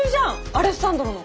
アレッサンドロの。